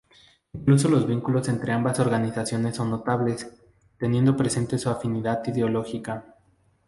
Incluso los vínculos entre ambas organizaciones son notables, teniendo presente su afinidad ideológica.